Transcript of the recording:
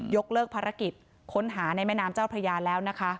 กเลิกภารกิจค้นหาในแม่น้ำเจ้าพระยาแล้วนะคะ